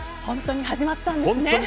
本当に始まったんですね。